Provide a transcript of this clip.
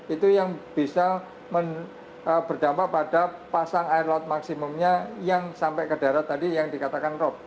itu yang bisa berdampak pada pasang air laut maksimumnya yang sampai ke darat tadi yang dikatakan rop